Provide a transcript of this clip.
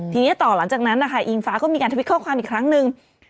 ทีนี้ต่อหลังจากนั้นนะคะอิงฟ้าก็มีการทวิตข้อความอีกครั้งนึง